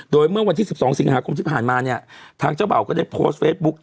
โดยเมื่อวันที่๑๒สิงหาคมที่ผ่านมาเนี่ยทางเจ้าบ่าวก็ได้โพสต์เฟซบุ๊ค